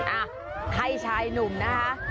อ้าวไฮชายหนุ่มนะครับ